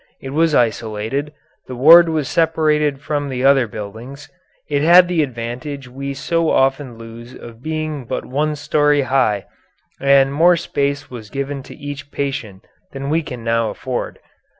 It was isolated; the ward was separated from the other buildings; it had the advantage we so often lose of being but one story high, and more space was given to each patient than we can now afford.